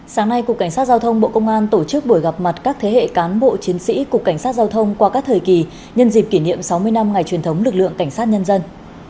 sáng nay cục cảnh sát giao thông bộ công an tổ chức buổi gặp mặt các thế hệ cán bộ chiến sĩ cục cảnh sát giao thông qua các thời kỳ nhân dịp kỷ niệm sáu mươi năm ngày truyền thống lực lượng cảnh sát nhân dân